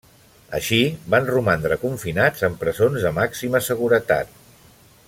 Així, van romandre confinats en presons de màxima seguretat.